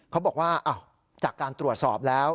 เขาบอกว่าจากการตรวจสอบแล้ว